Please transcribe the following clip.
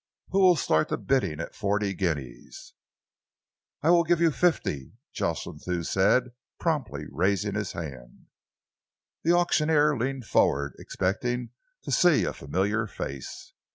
Who will start the bidding at forty guineas?" "I will give you fifty," Jocelyn Thew said, promptly raising his hand. The auctioneer leaned forward, expecting to see a familiar face.